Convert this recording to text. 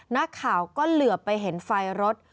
นักข่าวก็เหลือไปเห็นไฟรถ